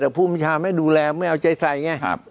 แต่ภูมิชาไม่ดูแลไม่เอาใจใส่ไง